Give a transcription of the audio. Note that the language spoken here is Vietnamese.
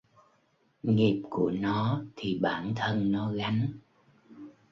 Nghiệp của nó thì bản thân nó gánh